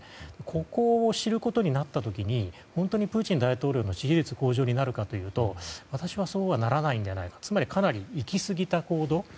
ここを知ることになった時に本当にプーチン大統領の支持率向上になるかというと私はどうならないんではないかとつまり、かなり行き過ぎた行動。